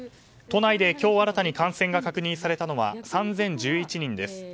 都内で今日新たに感染が確認されたのは３０１１人です。